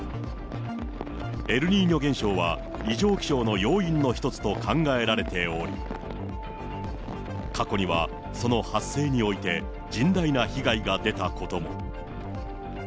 エルニーニョ現象は異常気象の要因の一つと考えられており、過去には、その発生において甚大な被害が出たことも。